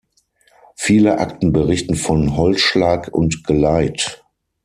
Viele Akten berichten von Holzschlag und Geleit.